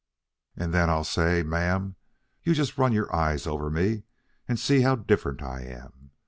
And then I'll say, 'Ma'am, you just run your eyes over me and see how different I am.